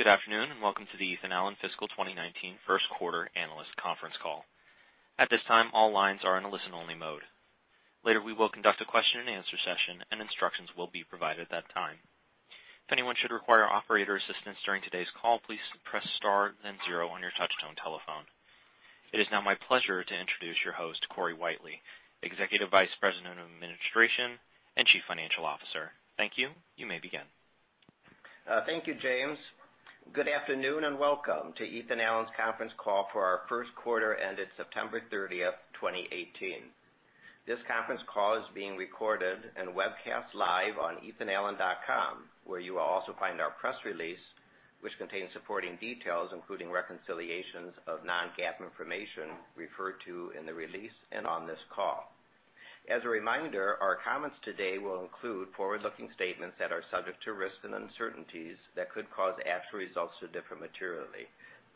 Good afternoon, and welcome to the Ethan Allen fiscal 2019 first quarter analyst conference call. At this time, all lines are in a listen-only mode. Later, we will conduct a question and answer session, and instructions will be provided at that time. If anyone should require operator assistance during today's call, please press star then zero on your touch-tone telephone. It is now my pleasure to introduce your host, Corey Whitely, Executive Vice President of Administration and Chief Financial Officer. Thank you. You may begin. Thank you, James. Good afternoon, and welcome to Ethan Allen's conference call for our first quarter ended September 30th, 2018. This conference call is being recorded and webcast live on ethanallen.com, where you will also find our press release, which contains supporting details, including reconciliations of non-GAAP information referred to in the release and on this call. As a reminder, our comments today will include forward-looking statements that are subject to risks and uncertainties that could cause actual results to differ materially.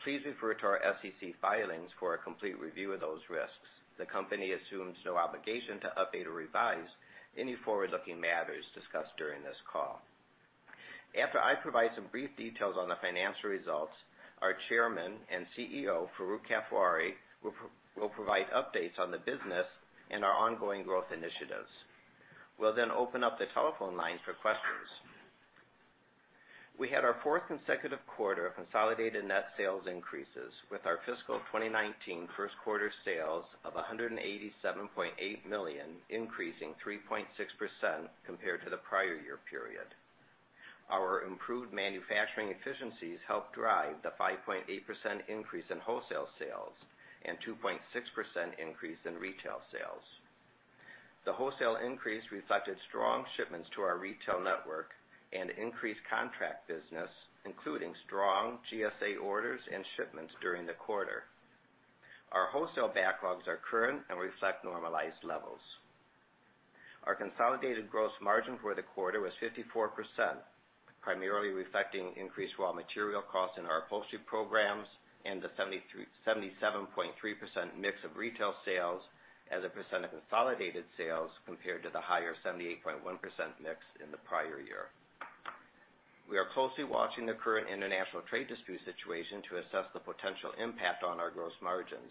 Please refer to our SEC filings for a complete review of those risks. The company assumes no obligation to update or revise any forward-looking matters discussed during this call. After I provide some brief details on the financial results, our Chairman and CEO, Farooq Kathwari, will provide updates on the business and our ongoing growth initiatives. We'll then open up the telephone lines for questions. We had our fourth consecutive quarter of consolidated net sales increases with our fiscal 2019 first quarter sales of $187.8 million, increasing 3.6% compared to the prior year period. Our improved manufacturing efficiencies helped drive the 5.8% increase in wholesale sales and 2.6% increase in retail sales. The wholesale increase reflected strong shipments to our retail network and increased contract business, including strong GSA orders and shipments during the quarter. Our wholesale backlogs are current and reflect normalized levels. Our consolidated gross margin for the quarter was 54%, primarily reflecting increased raw material costs in our upholstery programs and the 77.3% mix of retail sales as a percent of consolidated sales, compared to the higher 78.1% mix in the prior year. We are closely watching the current international trade dispute situation to assess the potential impact on our gross margins.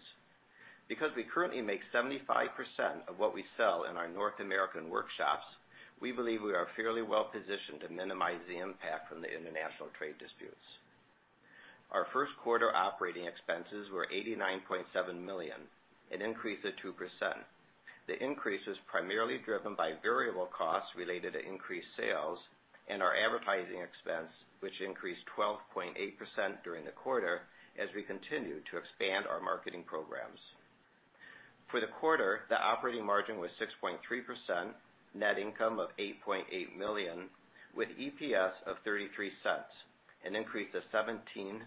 Because we currently make 75% of what we sell in our North American workshops, we believe we are fairly well-positioned to minimize the impact from the international trade disputes. Our first quarter operating expenses were $89.7 million, an increase of 2%. The increase is primarily driven by variable costs related to increased sales and our advertising expense, which increased 12.8% during the quarter as we continue to expand our marketing programs. For the quarter, the operating margin was 6.3%, net income of $8.8 million, with EPS of $0.33, an increase of 17.9%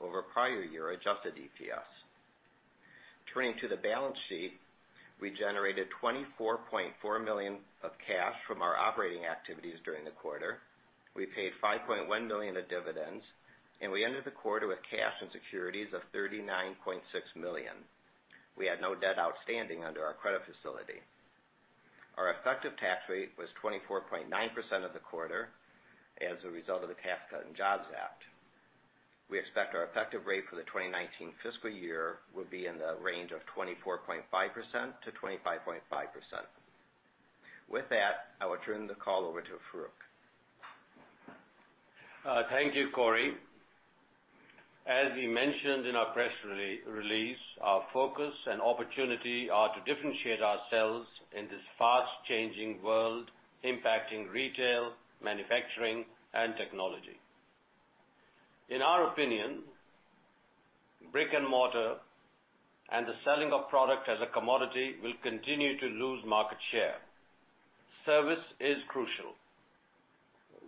over prior year adjusted EPS. Turning to the balance sheet, we generated $24.4 million of cash from our operating activities during the quarter. We paid $5.1 million of dividends, and we ended the quarter with cash and securities of $39.6 million. We had no debt outstanding under our credit facility. Our effective tax rate was 24.9% of the quarter as a result of the Tax Cuts and Jobs Act. We expect our effective rate for the 2019 fiscal year will be in the range of 24.5%-25.5%. With that, I will turn the call over to Farooq. Thank you, Corey. As we mentioned in our press release, our focus and opportunity are to differentiate ourselves in this fast-changing world impacting retail, manufacturing, and technology. In our opinion, brick and mortar and the selling of product as a commodity will continue to lose market share. Service is crucial.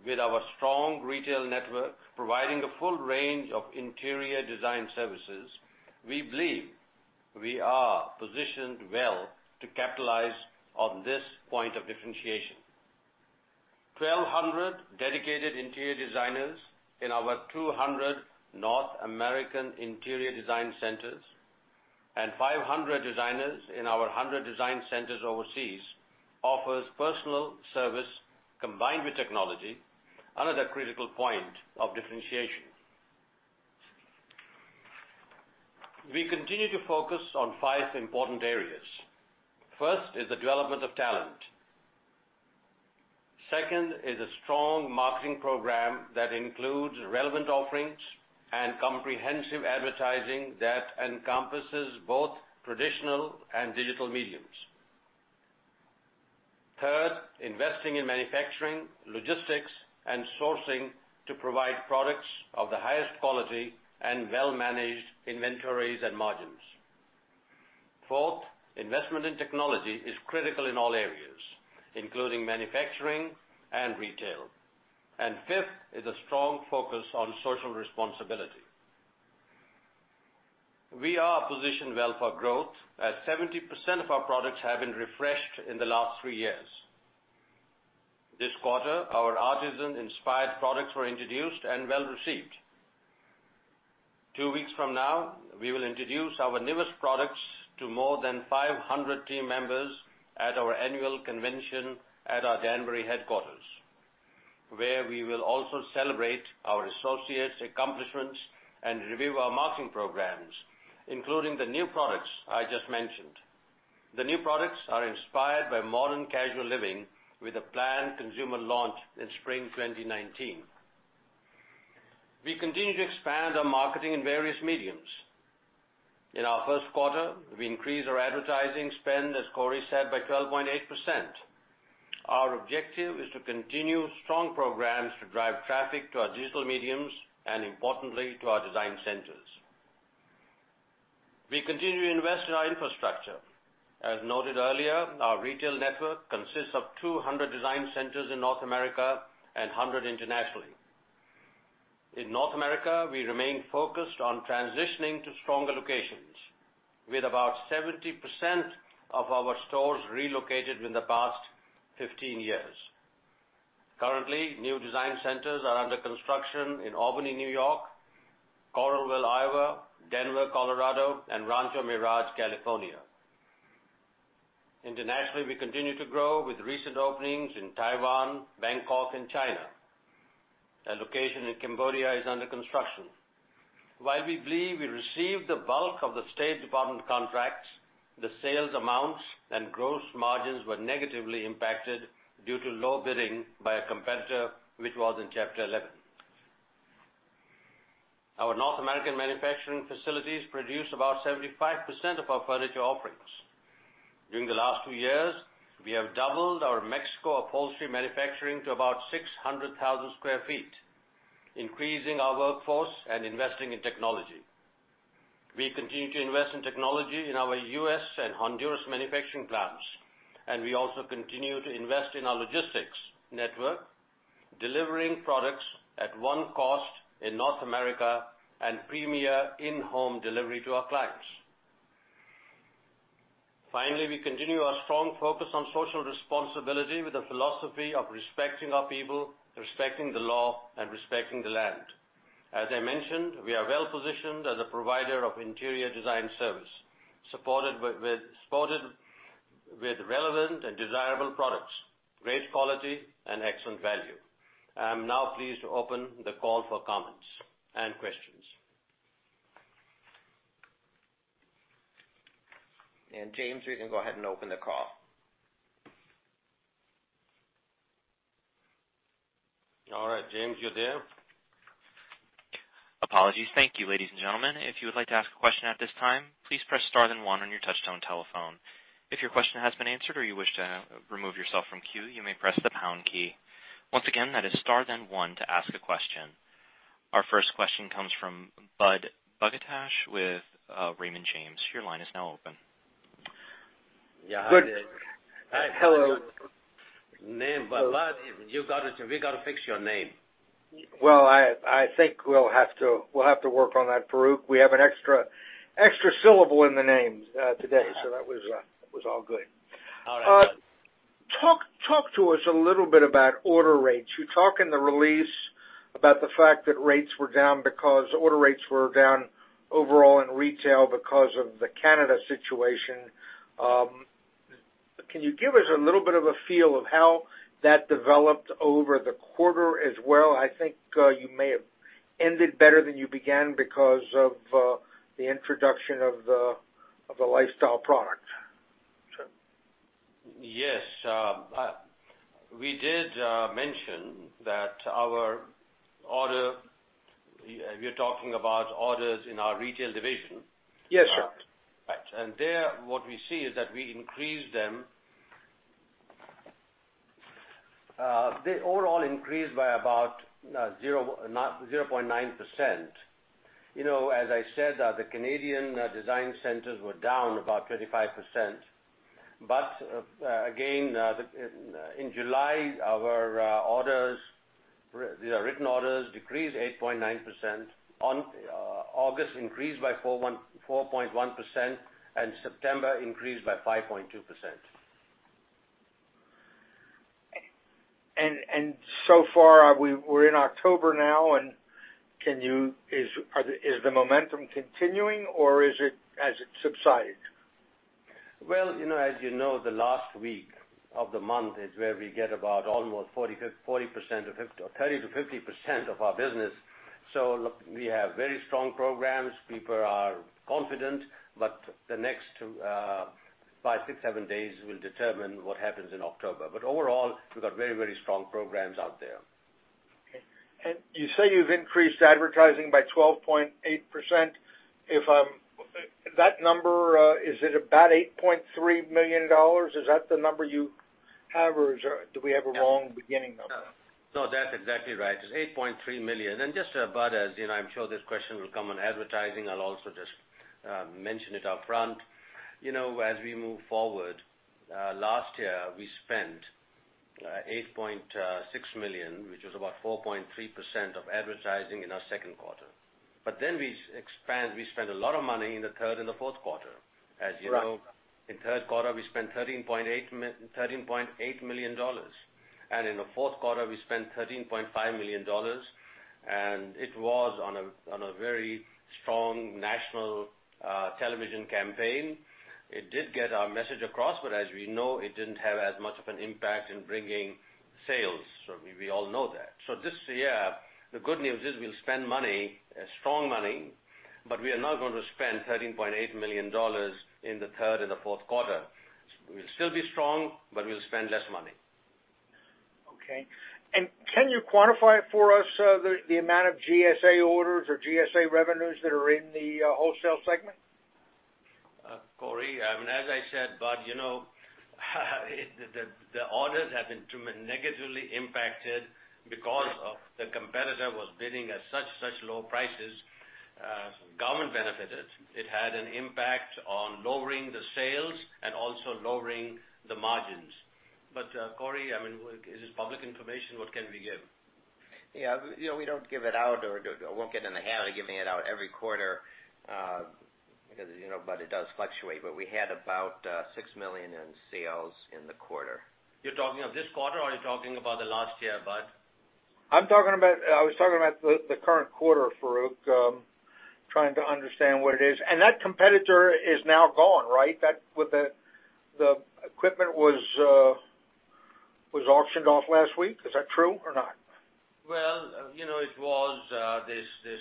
With our strong retail network providing a full range of interior design services, we believe we are positioned well to capitalize on this point of differentiation. 1,200 dedicated interior designers in our 200 North American interior design centers and 500 designers in our 100 design centers overseas offers personal service combined with technology, another critical point of differentiation. We continue to focus on five important areas. First is the development of talent. Second is a strong marketing program that includes relevant offerings and comprehensive advertising that encompasses both traditional and digital mediums. Third, investing in manufacturing, logistics, and sourcing to provide products of the highest quality and well-managed inventories and margins. Fourth, investment in technology is critical in all areas, including manufacturing and retail. Fifth is a strong focus on social responsibility. We are positioned well for growth as 70% of our products have been refreshed in the last three years. This quarter, our artisan-inspired products were introduced and well-received. Two weeks from now, we will introduce our newest products to more than 500 team members at our annual convention at our Danbury headquarters, where we will also celebrate our associates' accomplishments and review our marketing programs, including the new products I just mentioned. The new products are inspired by modern casual living with a planned consumer launch in spring 2019. We continue to expand our marketing in various mediums. In our first quarter, we increased our advertising spend, as Corey said, by 12.8%. Our objective is to continue strong programs to drive traffic to our digital mediums and importantly, to our design centers. We continue to invest in our infrastructure. As noted earlier, our retail network consists of 200 design centers in North America and 100 internationally. In North America, we remain focused on transitioning to stronger locations, with about 70% of our stores relocated within the past 15 years. Currently, new design centers are under construction in Albany, New York, Coralville, Iowa, Denver, Colorado, and Rancho Mirage, California. Internationally, we continue to grow with recent openings in Taiwan, Bangkok, and China. A location in Cambodia is under construction. While we believe we received the bulk of the State Department contracts, the sales amounts and gross margins were negatively impacted due to low bidding by a competitor, which was in Chapter 11. Our North American manufacturing facilities produce about 75% of our furniture offerings. During the last two years, we have doubled our Mexico upholstery manufacturing to about 600,000 sq ft, increasing our workforce and investing in technology. We continue to invest in technology in our U.S. and Honduras manufacturing plants, and we also continue to invest in our logistics network, delivering products at one cost in North America and premier in-home delivery to our clients. Finally, we continue our strong focus on social responsibility with the philosophy of respecting our people, respecting the law, and respecting the land. As I mentioned, we are well-positioned as a provider of interior design service, supported with relevant and desirable products, great quality, and excellent value. I'm now pleased to open the call for comments and questions. James, we can go ahead and open the call. All right, James, you there? Apologies. Thank you, ladies and gentlemen. If you would like to ask a question at this time, please press star then one on your touch-tone telephone. If your question has been answered or you wish to remove yourself from queue, you may press the pound key. Once again, that is star then one to ask a question. Our first question comes from Budd Bugatch with Raymond James. Your line is now open. Yeah, hi there. Hello. Name Budd. We got to fix your name. Well, I think we'll have to work on that, Farooq. We have an extra syllable in the name today, so that was all good. All right. Talk to us a little bit about order rates. You talk in the release about the fact that rates were down because order rates were down overall in retail because of the Canada situation. Can you give us a little bit of a feel of how that developed over the quarter as well? I think you may have ended better than you began because of the introduction of the lifestyle product. Sure. Yes. We did mention that. You're talking about orders in our retail division? Yes, sir. Right. There, what we see is that we increased them. They overall increased by about 0.9%. As I said, the Canadian design centers were down about 25%. Again, in July, our written orders decreased 8.9%. On August, increased by 4.1%, and September increased by 5.2%. So far, we're in October now, and is the momentum continuing, or has it subsided? Well, as you know, the last week of the month is where we get about almost 30%-50% of our business. Look, we have very strong programs. People are confident, but the next five, six, seven days will determine what happens in October. Overall, we've got very strong programs out there. Okay. You say you've increased advertising by 12.8%. That number, is it about $8.3 million? Is that the number you have, or do we have a wrong beginning number? No, that's exactly right. It's $8.3 million. Just, Budd, as you know, I'm sure this question will come on advertising. I'll also just mention it up front. As we move forward, last year, we spent $8.6 million, which was about 4.3% of advertising in our second quarter. We spent a lot of money in the third and the fourth quarter. As you know, in the third quarter, we spent $13.8 million. And in the fourth quarter, we spent $13.5 million, and it was on a very strong national television campaign. It did get our message across, but as we know, it didn't have as much of an impact in bringing sales. We all know that. This year, the good news is we'll spend money, strong money, but we are not going to spend $13.8 million in the third and the fourth quarter. We'll still be strong, but we'll spend less money. Okay. Can you quantify it for us, the amount of GSA orders or GSA revenues that are in the wholesale segment? Corey, as I said, Budd, the orders have been negatively impacted because of the competitor was bidding at such low prices. Government benefited. It had an impact on lowering the sales and also lowering the margins. Corey, it is public information. What can we give? Yeah. We don't give it out or won't get in the habit of giving it out every quarter, but it does fluctuate. We had about $6 million in sales in the quarter. You're talking of this quarter, or are you talking about the last year, Budd? I was talking about the current quarter, Farooq. Trying to understand what it is. That competitor is now gone, right? The equipment was auctioned off last week. Is that true or not? Well, they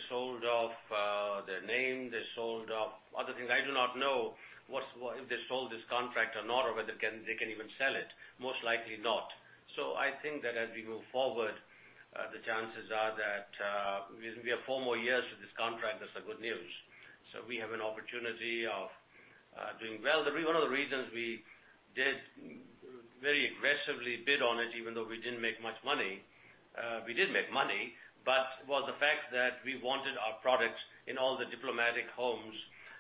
sold off their name. They sold off other things. I do not know if they sold this contract or not, or whether they can even sell it. Most likely not. I think that as we move forward, the chances are that we have four more years with this contract. That's the good news. We have an opportunity of doing well. One of the reasons we did very aggressively bid on it, even though we didn't make much money. We did make money, but was the fact that we wanted our products in all the diplomatic homes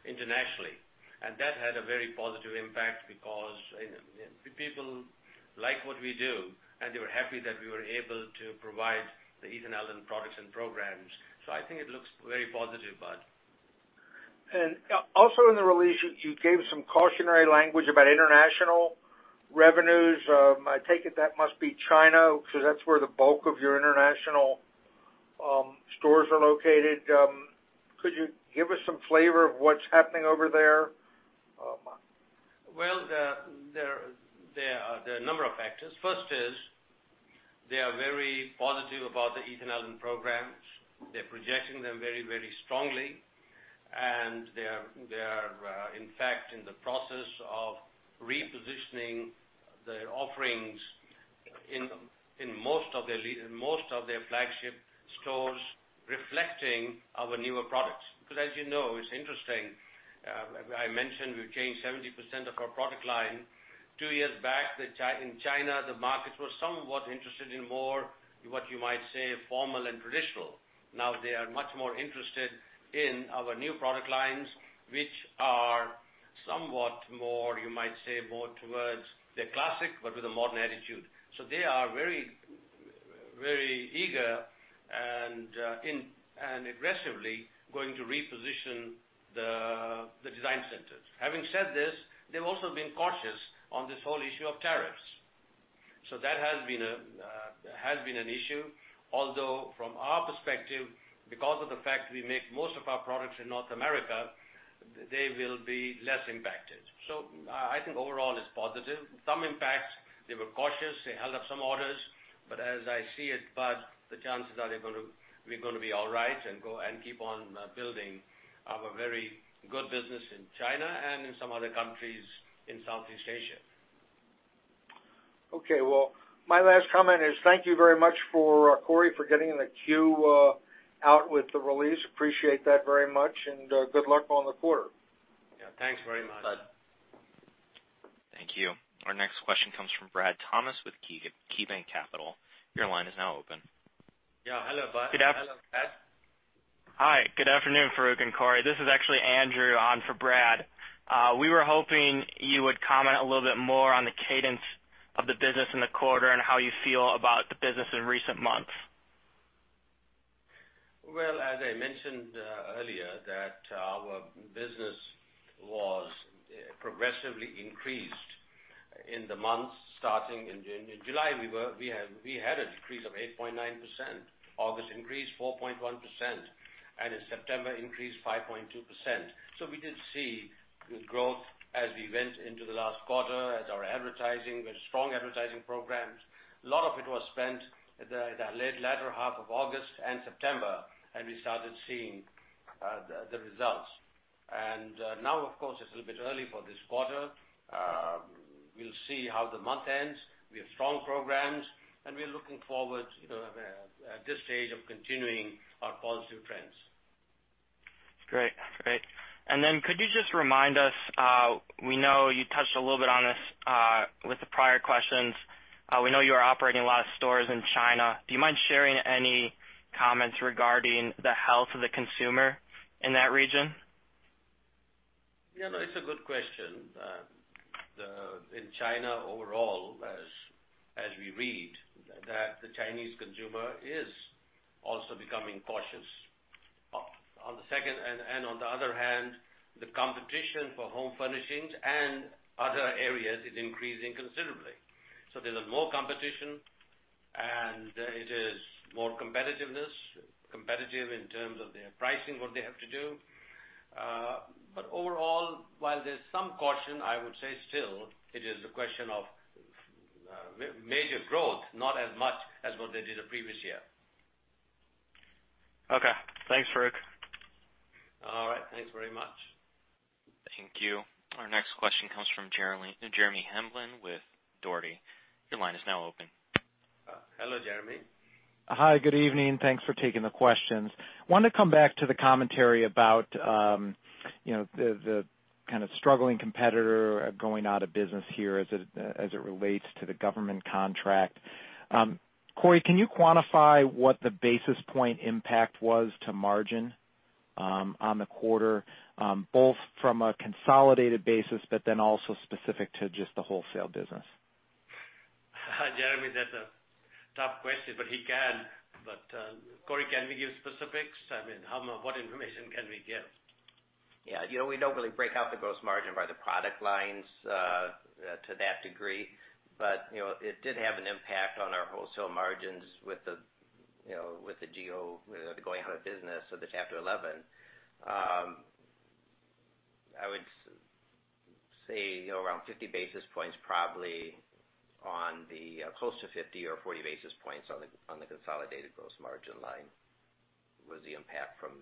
internationally, and that had a very positive impact because people like what we do, and they were happy that we were able to provide the Ethan Allen products and programs. I think it looks very positive, Budd. In the release, you gave some cautionary language about international revenues. I take it that must be China, because that's where the bulk of your international stores are located. Could you give us some flavor of what's happening over there? Well, there are a number of factors. First is, they are very positive about the Ethan Allen programs. They're projecting them very strongly. They are, in fact, in the process of repositioning their offerings in most of their flagship stores, reflecting our newer products. As you know, it's interesting. I mentioned we've changed 70% of our product line. Two years back, in China, the markets were somewhat interested in more, what you might say, formal and traditional. Now they are much more interested in our new product lines, which are somewhat more, you might say, more towards the classic, but with a modern attitude. They are very eager and aggressively going to reposition the design centers. Having said this, they've also been cautious on this whole issue of tariffs. That has been an issue, although from our perspective, because of the fact we make most of our products in North America, they will be less impacted. I think overall it's positive. Some impact. They were cautious. They held up some orders, but as I see it, Budd, the chances are we're going to be all right and keep on building our very good business in China and in some other countries in Southeast Asia. Okay. Well, my last comment is thank you very much, Corey, for getting in the queue, out with the release. Appreciate that very much, and good luck on the quarter. Yeah. Thanks very much. Bud. Thank you. Our next question comes from Brad Thomas with KeyBanc Capital. Your line is now open. Yeah. Hello, Brad. Hi. Good afternoon, Farooq and Corey. This is actually Andrew on for Brad. We were hoping you would comment a little bit more on the cadence of the business in the quarter and how you feel about the business in recent months. Well, as I mentioned earlier, that our business was progressively increased in the months starting in June. In July, we had an decrease of 8.9%. August increased 4.1%, and in September increased 5.2%. We did see good growth as we went into the last quarter, as our advertising, with strong advertising programs. A lot of it was spent the latter half of August and September, and we started seeing the results. Now, of course, it's a little bit early for this quarter. We'll see how the month ends. We have strong programs, and we are looking forward at this stage of continuing our positive trends. Great. Then could you just remind us, we know you touched a little bit on this with the prior questions. We know you are operating a lot of stores in China. Do you mind sharing any comments regarding the health of the consumer in that region? Yeah, no, it's a good question. In China overall, as we read, that the Chinese consumer is also becoming cautious. On the other hand, the competition for home furnishings and other areas is increasing considerably. There is more competition, and it is more competitiveness, competitive in terms of their pricing, what they have to do. Overall, while there's some caution, I would say still, it is a question of major growth, not as much as what they did the previous year. Okay. Thanks, Farooq. All right. Thanks very much. Thank you. Our next question comes from Jeremy Hamblin with Dougherty. Your line is now open. Hello, Jeremy. Hi. Good evening. Thanks for taking the questions. Wanted to come back to the commentary about the kind of struggling competitor going out of business here as it relates to the government contract. Corey, can you quantify what the basis point impact was to margin on the quarter, both from a consolidated basis, but then also specific to just the wholesale business? Jeremy, that's a tough question, he can. Corey, can we give specifics? I mean, what information can we give? Yeah. We don't really break out the gross margin by the product lines to that degree. It did have an impact on our wholesale margins with the Gio going out of business or the Chapter 11. I would say around 50 basis points, probably on the close to 50 or 40 basis points on the consolidated gross margin line was the impact from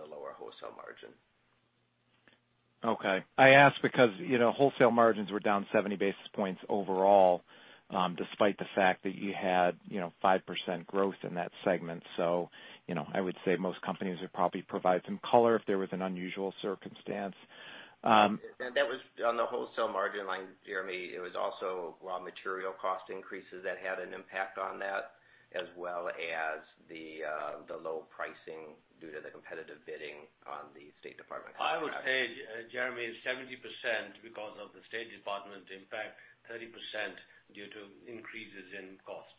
the lower wholesale margin. Okay. I ask because wholesale margins were down 70 basis points overall, despite the fact that you had 5% growth in that segment. I would say most companies would probably provide some color if there was an unusual circumstance. That was on the wholesale margin line, Jeremy. It was also raw material cost increases that had an impact on that, as well as the low pricing due to the competitive bidding on the State Department contract. I would say, Jeremy, 70% because of the State Department impact, 30% due to increases in costs.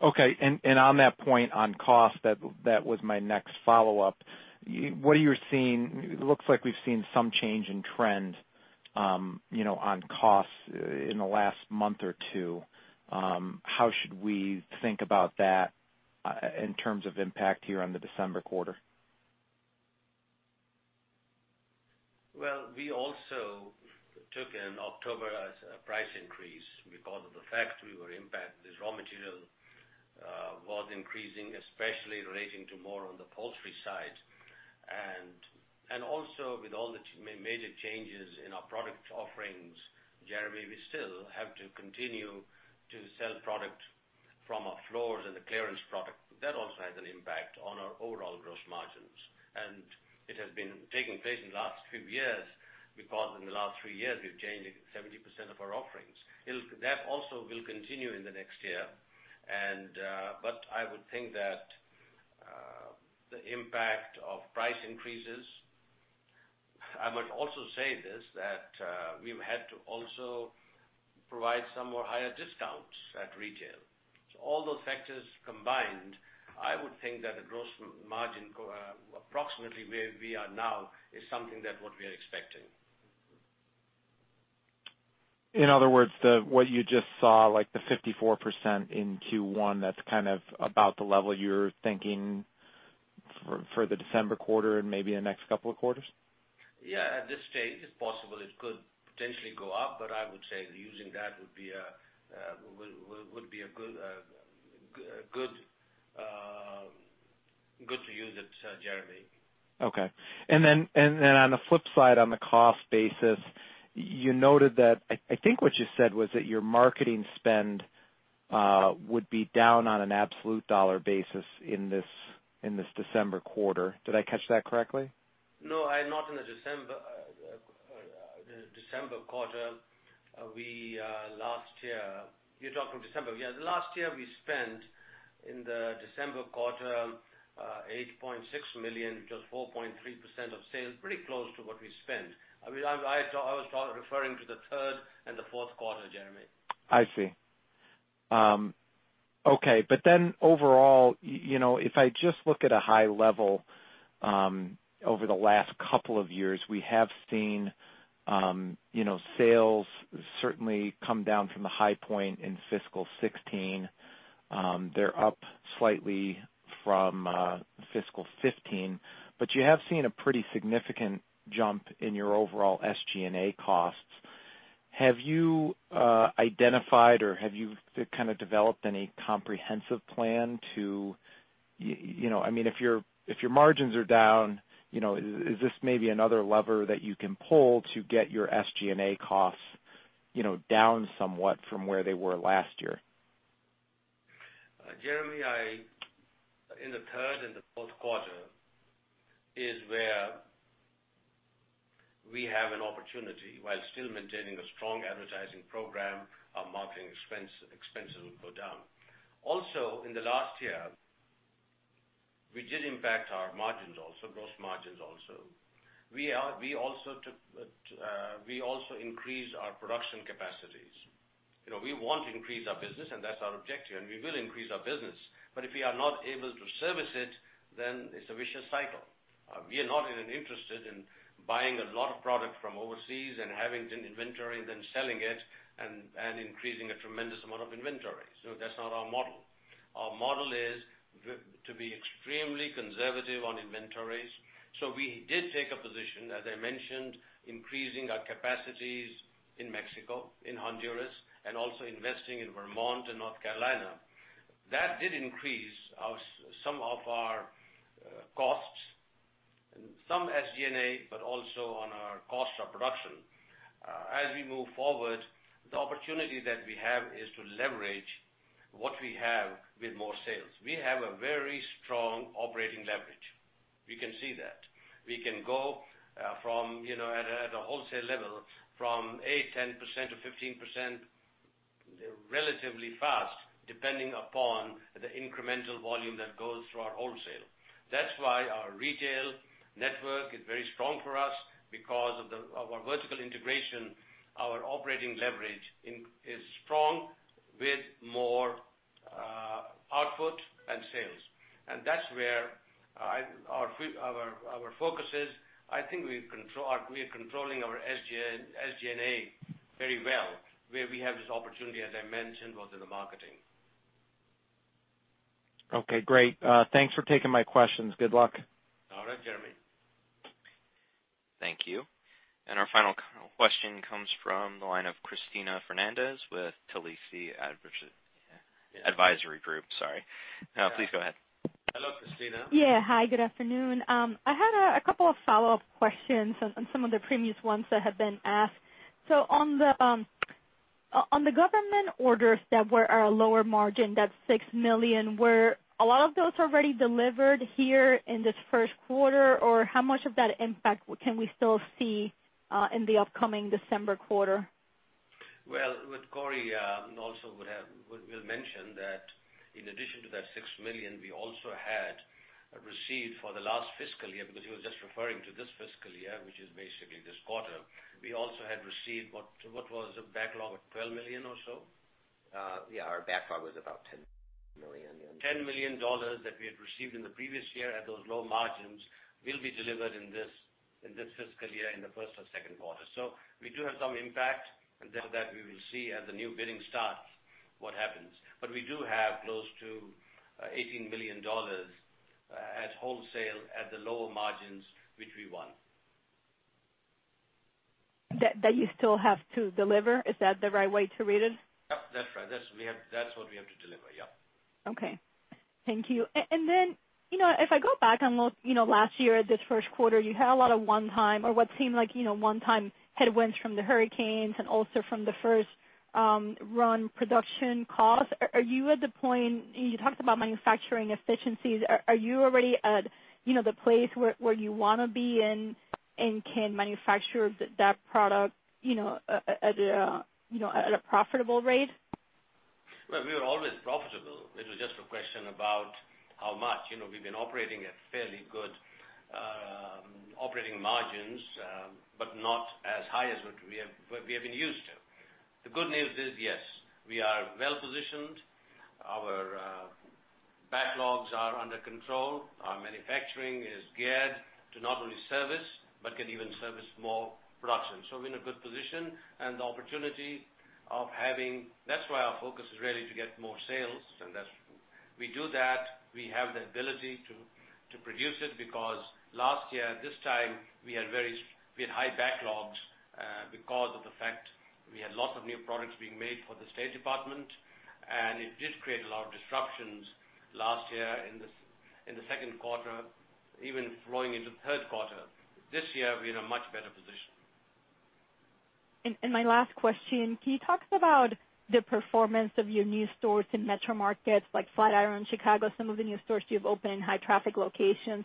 Okay, and on that point on cost, that was my next follow-up. What are you seeing? It looks like we've seen some change in trend on costs in the last month or two. How should we think about that in terms of impact here on the December quarter? Well, we also took in October as a price increase because of the fact we were impacted, as raw material was increasing, especially relating to more on the upholstery side. Also with all the major changes in our product offerings, Jeremy, we still have to continue to sell product from our floors and the clearance product. That also has an impact on our overall gross margins. And it has been taking place in the last few years because in the last three years, we've changed 70% of our offerings. That also will continue in the next year. I would think that the impact of price increases, I would also say this, that we've had to also provide some more higher discounts at retail. All those factors combined, I would think that the gross margin approximately where we are now is something that what we are expecting. In other words, what you just saw, like the 54% in Q1, that's kind of about the level you're thinking for the December quarter and maybe the next couple of quarters? At this stage, it's possible it could potentially go up, but I would say using that would be good to use it, Jeremy. On the flip side, on the cost basis, you noted that, I think what you said was that your marketing spend would be down on an absolute dollar basis in this December quarter. Did I catch that correctly? Not in the December quarter. Last year, you're talking December, yeah. Last year, we spent in the December quarter, $8.6 million, which was 4.3% of sales, pretty close to what we spent. I was referring to the third and the fourth quarter, Jeremy. Overall, if I just look at a high level, over the last couple of years, we have seen sales certainly come down from the high point in fiscal 2016. They're up slightly from fiscal 2015, but you have seen a pretty significant jump in your overall SG&A costs. Have you identified or have you kind of developed any comprehensive plan to I mean, if your margins are down, is this maybe another lever that you can pull to get your SG&A costs down somewhat from where they were last year? Jeremy, in the third and the fourth quarter is where we have an opportunity while still maintaining a strong advertising program, our marketing expenses will go down. In the last year, we did impact our margins also, gross margins also. We also increased our production capacities. We want to increase our business, and that's our objective, and we will increase our business. If we are not able to service it, then it's a vicious cycle. We are not interested in buying a lot of product from overseas and having inventory and then selling it and increasing a tremendous amount of inventory. That's not our model. Our model is to be extremely conservative on inventories. We did take a position, as I mentioned, increasing our capacities in Mexico, in Honduras, and also investing in Vermont and North Carolina. That did increase some of our costs, some SG&A, but also on our cost of production. As we move forward, the opportunity that we have is to leverage what we have with more sales. We have a very strong operating leverage. We can see that. We can go at a wholesale level from 8%, 10%-15% relatively fast, depending upon the incremental volume that goes through our wholesale. That's why our retail network is very strong for us. Because of our vertical integration, our operating leverage is strong with more output and sales. That's where our focus is. I think we are controlling our SG&A very well, where we have this opportunity, as I mentioned, was in the marketing. Okay, great. Thanks for taking my questions. Good luck. All right, Jeremy. Thank you. Our final question comes from the line of Cristina Fernandez with Telsey Advisory Group. Sorry. Please go ahead. Hello, Cristina. Yeah. Hi, good afternoon. I had a couple of follow-up questions on some of the previous ones that have been asked. On the government orders that were a lower margin, that $6 million. Were a lot of those already delivered here in this first quarter, or how much of that impact can we still see in the upcoming December quarter? Well, with Corey also will mention that in addition to that $6 million, we also had received for the last fiscal year, because he was just referring to this fiscal year, which is basically this quarter. We also had received, what was the backlog, $12 million or so? Yeah, our backlog was about $10 million. $10 million that we had received in the previous year at those low margins will be delivered in this fiscal year, in the first or second quarter. We do have some impact, and then after that we will see as the new bidding starts, what happens. We do have close to $18 million at wholesale at the lower margins, which we won. That you still have to deliver, is that the right way to read it? Yep, that's right. That's what we have to deliver. Yep. Okay. Thank you. Then, if I go back and look last year at this first quarter, you had a lot of one-time or what seemed like one-time headwinds from the hurricanes and also from the first run production costs. You talked about manufacturing efficiencies. Are you already at the place where you want to be and can manufacture that product at a profitable rate? Well, we were always profitable. It was just a question about how much. We've been operating at fairly good operating margins, but not as high as what we have been used to. The good news is, yes, we are well-positioned. Our backlogs are under control. Our manufacturing is geared to not only service, but can even service more production. We're in a good position. That's why our focus is really to get more sales, and as we do that, we have the ability to produce it, because last year at this time, we had high backlogs, because of the fact we had lots of new products being made for the State Department, and it did create a lot of disruptions last year in the second quarter, even flowing into the third quarter. This year, we're in a much better position. My last question, can you talk about the performance of your new stores in metro markets like Flatiron Chicago, some of the new stores you've opened in high traffic locations.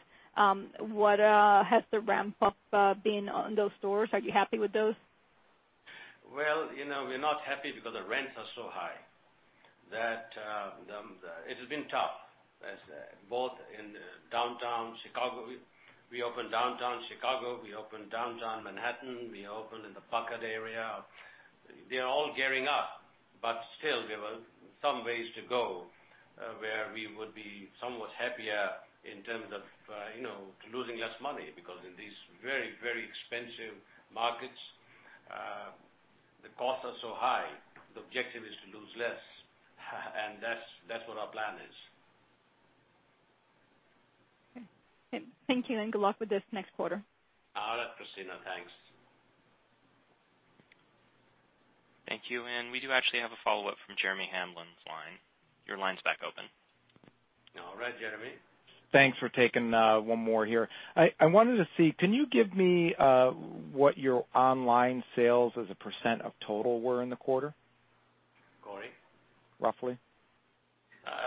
What has the ramp-up been on those stores? Are you happy with those? Well, we're not happy because the rents are so high. It has been tough, both in Downtown Chicago. We opened Downtown Chicago, we opened Downtown Manhattan, we opened in the Puckett area. They're all gearing up, but still, we have some ways to go, where we would be somewhat happier in terms of losing less money. Because in these very, very expensive markets, the costs are so high, the objective is to lose less. That's what our plan is. Okay. Thank you. Good luck with this next quarter. All right, Cristina. Thanks. Thank you. We do actually have a follow-up from Jeremy Hamblin's line. Your line's back open. All right, Jeremy. Thanks for taking one more here. I wanted to see, can you give me what your online sales as a % of total were in the quarter? Corey? Roughly.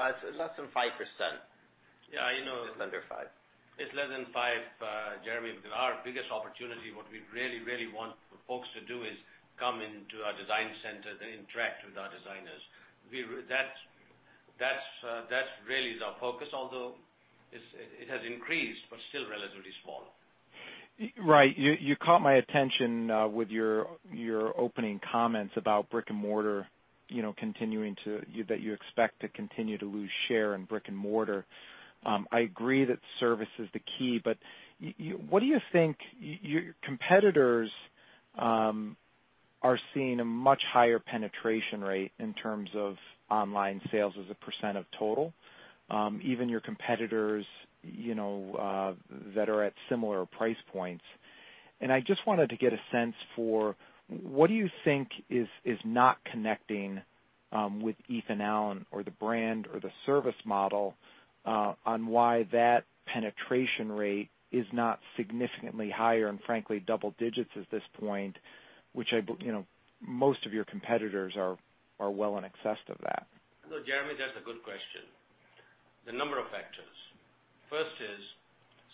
It's less than 5%. Yeah. It's under five. It's less than five, Jeremy, because our biggest opportunity, what we really want for folks to do is come into our design centers and interact with our designers. That's really our focus, although it has increased, but still relatively small. Right. You caught my attention with your opening comments about brick-and-mortar, that you expect to continue to lose share in brick-and-mortar. I agree that service is the key, but your competitors are seeing a much higher penetration rate in terms of online sales as a % of total, even your competitors that are at similar price points. I just wanted to get a sense for what you think is not connecting with Ethan Allen or the brand or the service model on why that penetration rate is not significantly higher, and frankly, double digits at this point, which most of your competitors are well in excess of that. Jeremy, that's a good question. There are a number of factors. First is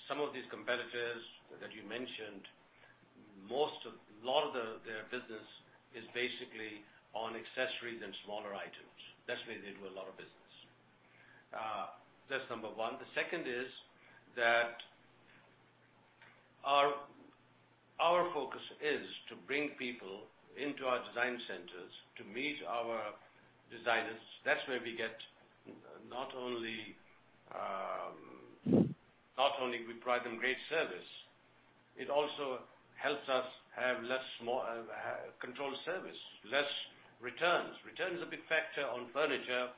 some of these competitors that you mentioned, a lot of their business is basically on accessories and smaller items. That's where they do a lot of business. That's number one. The second is that our focus is to bring people into our design centers to meet our designers. That's where we get, not only we provide them great service, it also helps us have controlled service, less returns. Return is a big factor on furniture.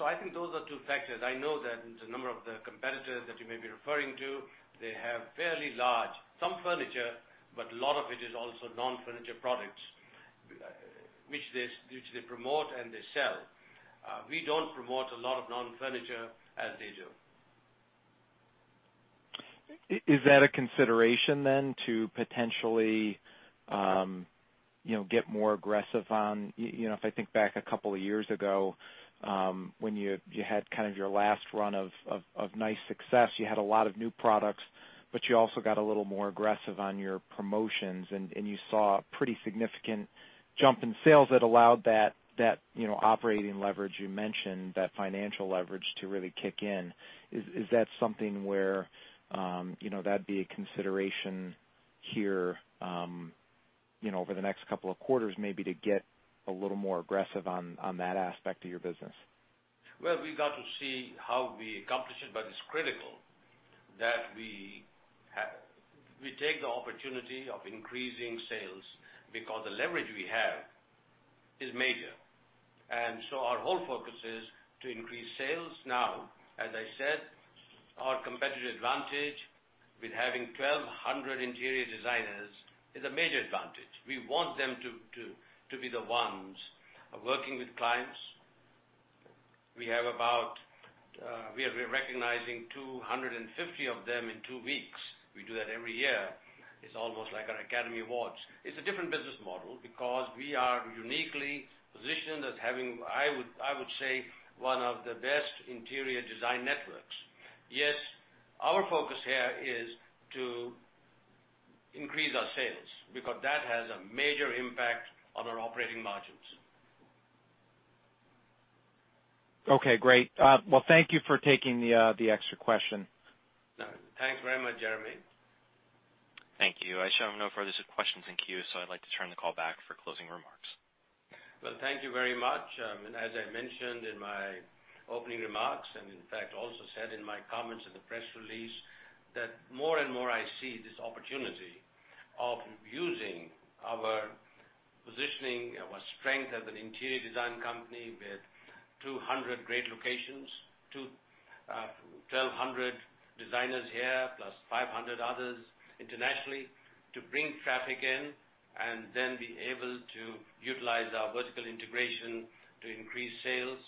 I think those are two factors. I know that the number of the competitors that you may be referring to, they have fairly large, some furniture, but a lot of it is also non-furniture products, which they promote and they sell. We don't promote a lot of non-furniture as they do. Is that a consideration then to potentially get more aggressive? If I think back a couple of years ago, when you had kind of your last run of nice success, you had a lot of new products, but you also got a little more aggressive on your promotions, and you saw a pretty significant jump in sales that allowed that operating leverage you mentioned, that financial leverage to really kick in. Is that something where that'd be a consideration here over the next couple of quarters, maybe to get a little more aggressive on that aspect of your business? Well, we've got to see how we accomplish it, but it's critical that we take the opportunity of increasing sales because the leverage we have is major. Our whole focus is to increase sales. Now, as I said, our competitive advantage with having 1,200 interior designers is a major advantage. We want them to be the ones working with clients. We are recognizing 250 of them in two weeks. We do that every year. It's almost like our Academy Awards. It's a different business model because we are uniquely positioned as having, I would say, one of the best interior design networks. Yes, our focus here is to increase our sales because that has a major impact on our operating margins. Okay, great. Well, thank you for taking the extra question. Thanks very much, Jeremy. Thank you. I show no further questions in queue, I'd like to turn the call back for closing remarks. Well, thank you very much. As I mentioned in my opening remarks, and in fact also said in my comments in the press release, that more and more I see this opportunity of using our positioning, our strength as an interior design company with 200 great locations, 1,200 designers here, plus 500 others internationally, to bring traffic in, and then be able to utilize our vertical integration to increase sales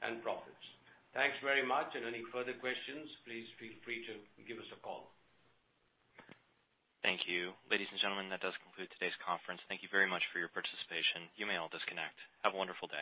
and profits. Thanks very much. Any further questions, please feel free to give us a call. Thank you. Ladies and gentlemen, that does conclude today's conference. Thank you very much for your participation. You may all disconnect. Have a wonderful day.